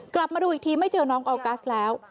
กลับมาดูอีกทีไม่เจอน้องออกัสแล้ว